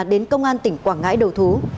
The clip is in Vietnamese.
đến công an tỉnh quảng ngãi đầu thú